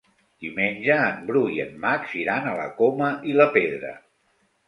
Diumenge en Bru i en Max iran a la Coma i la Pedra.